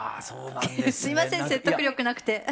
すいません説得力なくて。